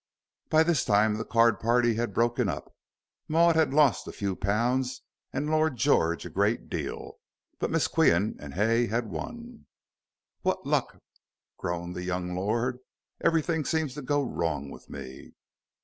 By this time the card party had broken up. Maud had lost a few pounds, and Lord George a great deal. But Miss Qian and Hay had won. "What luck," groaned the young lord. "Everything seems to go wrong with me."